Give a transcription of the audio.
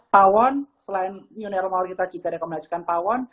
pawon selain new normal kita juga rekomendasikan pawon